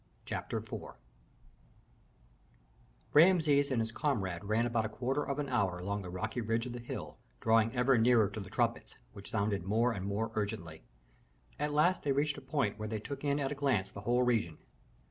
CHAPTER IV Rameses and his comrade ran about a quarter of an hour along the rocky ridge of the hill, drawing ever nearer to the trumpets, which sounded more and more urgently. At last they reached a point where they took in at a glance the whole region.